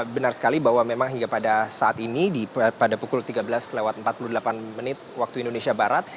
benar sekali bahwa memang hingga pada saat ini pada pukul tiga belas lewat empat puluh delapan menit waktu indonesia barat